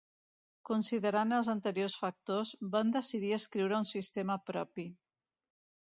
Considerant els anteriors factors, van decidir escriure un sistema propi.